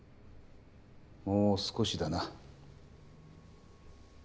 もう少しだな。